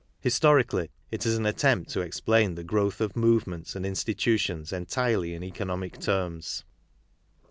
Historically it is an attempt to explain the growth of movements and institutions entirely in economic terms.